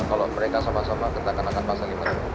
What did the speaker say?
kalau mereka sama sama kita akan atap pasang